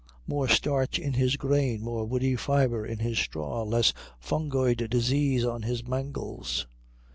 More starch in his grain, more woody fibre in his straw, less fungoid disease on his mangels....